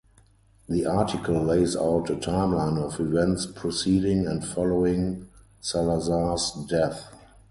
The article lays out a timeline of events preceding and following Salazar's death.